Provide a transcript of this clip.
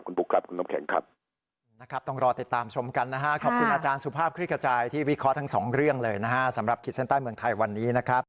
คุณปุ๊กครับคุณน้องแข็งครับ